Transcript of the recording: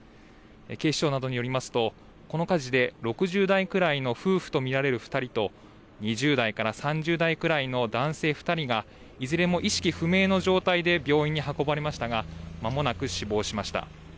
警視庁などによりますと、この火事で６０代くらいの夫婦と見られる２人と２０代から３０代くらいの男性２人がいずれも意識不明の状態で病院に運ばれましたが、まもなく死亡しました。